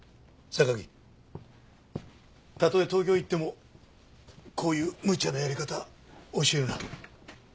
榊たとえ東京行ってもこういうむちゃなやり方教えるな。